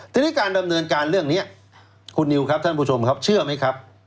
ทีนี้การดำเนินการเรื่องนี้คุณนิวครับท่านผู้ชมครับเชื่อไหมครับ